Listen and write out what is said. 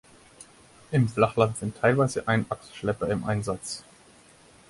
Im Flachland sind teilweise Einachsschlepper im Einsatz.